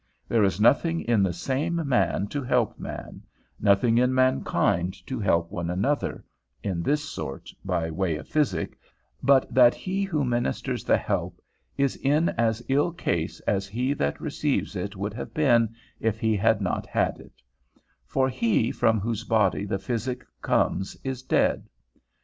There is nothing in the same man to help man, nothing in mankind to help one another (in this sort, by way of physic), but that he who ministers the help is in as ill case as he that receives it would have been if he had not had it; for he from whose body the physic comes is dead.